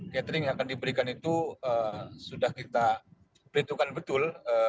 catering yang akan diberikan itu sudah kita perhitungkan betul